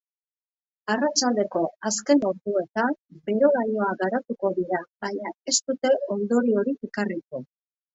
Arratsaldeko azken orduetan, bero-lainoak garatuko dira, baina ez dute ondoriorik ekarriko.